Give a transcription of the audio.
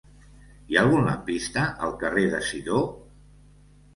Hi ha algun lampista al carrer de Sidó?